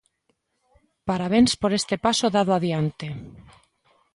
¡Parabéns por este paso dado adiante!